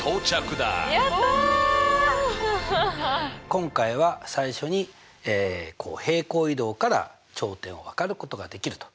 今回は最初に平行移動から頂点をわかることができると。